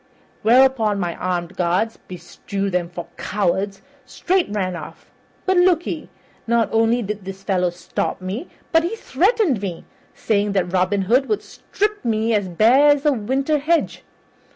Whereupon my armed guards beshrew them for cowards! straight ran away. But look ye; not only did this fellow stop me, but he threatened me, saying that Robin Hood would strip me as bare as a winter hedge.